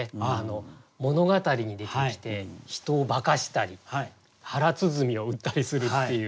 物語に出てきて人を化かしたり腹鼓を打ったりするっていう。